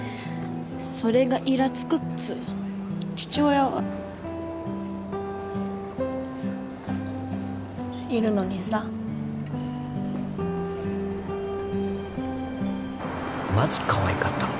それがイラつくっつーの父親はいるのにさマジかわいかったろ？